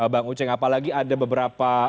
bang uceng apalagi ada beberapa